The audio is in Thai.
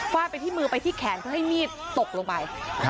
ไปที่มือไปที่แขนเพื่อให้มีดตกลงไป